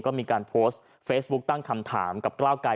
ก็มีการโพสต์เฟซบุ๊คตั้งคำถามกับกล้าวไกร